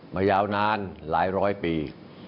มายาวนานหลายร้อยปี